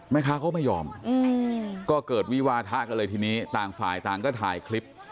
แม่ค้าเขาไม่ยอมก็เกิดวิวาทะกันเลยทีนี้ต่างฝ่ายต่างก็ถ่ายคลิป